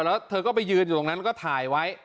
แล้วเธอก็ไปยืนอยู่ตรงนั้นก็ถ่ายไว้